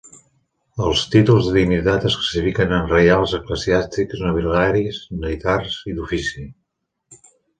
Els títols de dignitat es classifiquen en reials, eclesiàstics, nobiliaris, militars, i d'ofici.